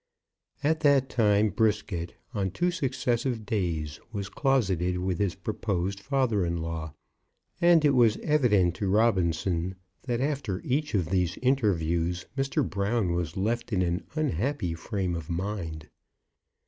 At that time Brisket, on two successive days, was closeted with his proposed father in law, and it was evident to Robinson that after each of these interviews Mr. Brown was left in an unhappy frame of mind.